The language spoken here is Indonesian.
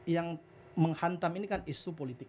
yang menghantam ini kan isu politik